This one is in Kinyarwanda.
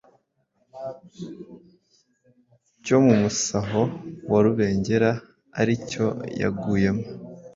cyo mu Musaho wa Rubengera ari cyo yaguyemo